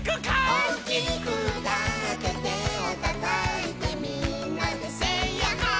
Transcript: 「おおきくうたっててをたたいてみんなでｓａｙヤッホー」